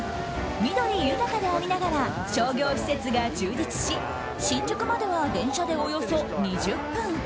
緑豊かでありながら商業施設が充実し新宿までは電車でおよそ２０分。